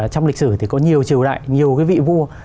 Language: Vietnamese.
trong lịch sử thì có nhiều triều đại nhiều cái vị vua